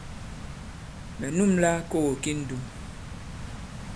Mɛ̀ nûmla kogo ki ndùm.